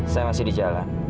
saya masih di jalan